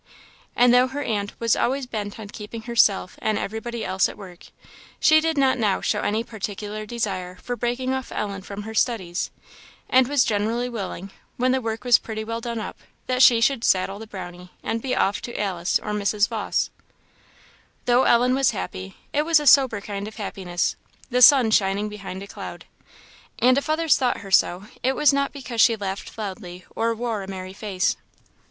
And though her aunt was always bent on keeping herself and everybody else at work, she did not now show any particular desire for breaking off Ellen from her studies; and was generally willing, when the work was pretty well done up, that she should saddle the Brownie, and be off to Alice or Mrs. Vawse. Though Ellen was happy, it was a sober kind of happiness the sun shining behind a cloud. And if others thought her so, it was not because she laughed loudly or wore a merry face.